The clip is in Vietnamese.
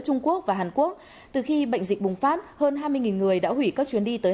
trung quốc và hàn quốc từ khi bệnh dịch bùng phát hơn hai mươi người đã hủy các chuyến đi tới